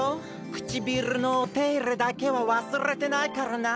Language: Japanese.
くちびるのおていれだけはわすれてないからな。